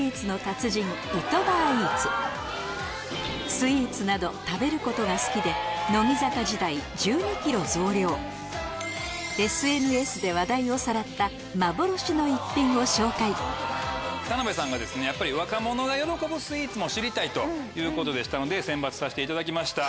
スイーツなど食べることが好きでを紹介田辺さんがやっぱり若者が喜ぶスイーツも知りたいということでしたので選抜させていただきました。